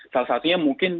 salah satunya mungkin